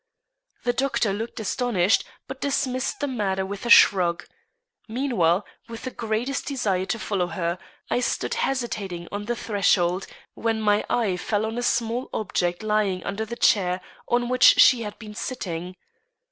The doctor looked astonished, but dismissed the matter with a shrug; while, with the greatest desire to follow her, I stood hesitating on the threshold, when my eye fell on a small object lying under the chair on which she had been sitting.